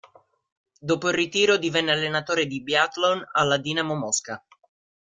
Dopo il ritiro divenne allenatore di biathlon alla Dinamo Mosca.